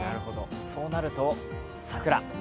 そうなると、桜。